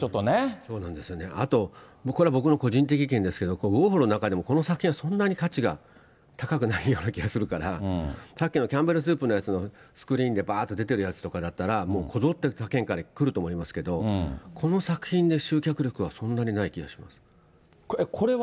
あと、これは僕の個人的意見ですけど、ウォーホルの中でもこの作品はそんなに価値が高くないような気がするから、さっきのキャンベルスープのやつのスクリーンでばっと出てるやつとか、もうこぞって他県から来ると思いますけど、この作品で集客力はそんなにない気がします。